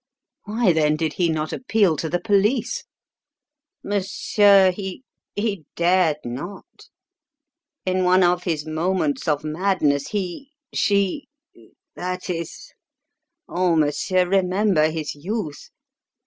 "Why then did he not appeal to the police?" "Monsieur, he he dared not. In one of his moments of madness he she that is Oh, monsieur, remember his youth!